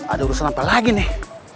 ada urusan apa lagi nih